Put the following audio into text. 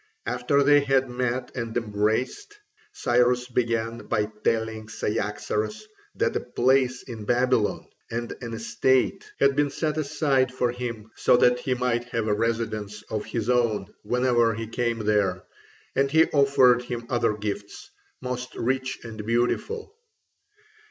After they had met and embraced, Cyrus began by telling Cyaxares that a palace in Babylon, and an estate, had been set aside for him so that he might have a residence of his own whenever he came there, and he offered him other gifts, most rich and beautiful.